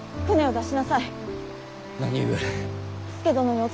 舟を出しなさい。